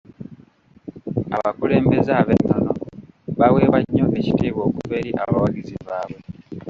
Abakulembeze ab'ennono baweebwa nnyo ekitiibwa okuva eri abawagizi baabwe.